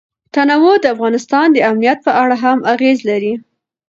تنوع د افغانستان د امنیت په اړه هم اغېز لري.